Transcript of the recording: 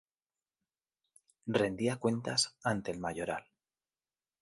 Rendía cuentas ante el mayoral.